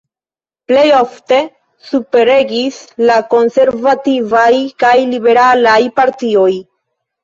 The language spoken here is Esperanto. Plej ofte superregis la konservativaj kaj liberalaj partioj.